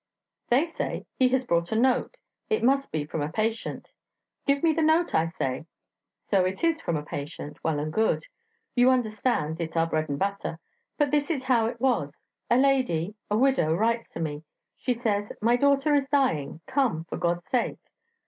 They say, He has brought a note it must be from a patient.' 'Give me the note,' I say. So it is from a patient well and good you understand it's our bread and butter... But this is how it was: a lady, a widow, writes to me; she says, 'My daughter is dying. Come, for God's sake!'